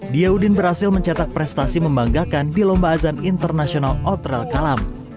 diyaudin berhasil mencetak prestasi membanggakan di lomba azan internasional outrel kalam